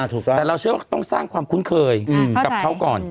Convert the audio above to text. ถูกต้องแต่เราเชื่อว่าต้องสร้างความคุ้นเคยกับเขาก่อน